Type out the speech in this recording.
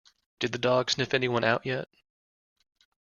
Did the dog sniff anyone out yet?